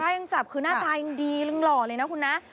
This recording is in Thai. ยังจับคือหน้าตายังดียังหล่อเลยนะคุณนะ